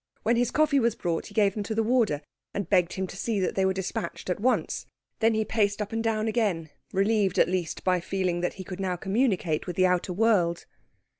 When his coffee was brought he gave them to the warder, and begged him to see that they were despatched at once; then he paced up and down again, relieved at least by feeling that he could now communicate with the outer world.